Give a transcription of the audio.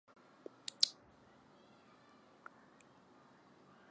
对少数可用工程师的高需求迫使公司将这些员工绑定到公司。